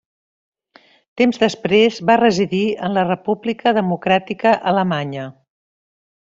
Temps després va residir en la República Democràtica Alemanya.